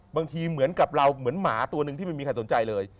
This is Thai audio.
บางทีเหมือนกับเราเหมือนหมาตัวหนึ่งที่ไม่มีใครสนใจเลย